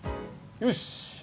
よし！